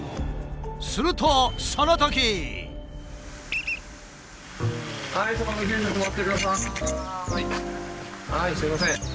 するとはいすいません。